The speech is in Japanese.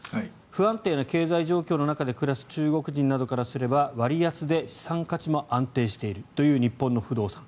不安定な経済状況の中で暮らす中国人などからすれば割安で資産価値も安定しているという日本の不動産。